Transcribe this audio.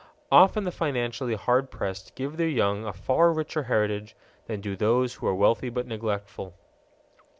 Often the financially hard pressed give their young a far richer heritage than do those who are wealthy but neglectful.